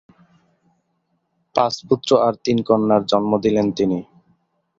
পাঁচ পুত্র আর তিন কন্যার জন্ম দিলেন তিনি।